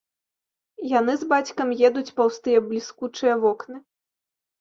Яны з бацькам едуць паўз тыя бліскучыя вокны.